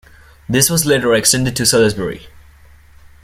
This was later extended to Salisbury.